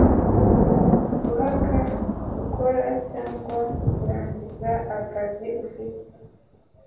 Guhaka gukora cyangwa kurangiza akazi ufite